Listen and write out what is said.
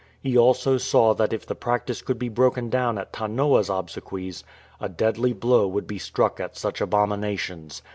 He also saw that if the practice could be broken down at Tanoa''s obsequies, a deadly blow would be struck at such abominations.